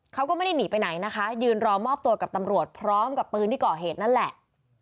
เขาก็ไม่ได้หนีไปไหนนะคะยืนรอมอบตัวกับตำรวจพร้อมกับปืนที่ก่อเหตุนั่นแหละ